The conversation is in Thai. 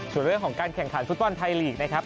ส่วนเรื่องของการแข่งขันฟุตบอลไทยลีกนะครับ